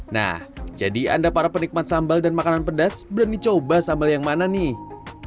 nah jadi anda para penikmat sambal dan makanan pedas berani coba sambal yang mana nih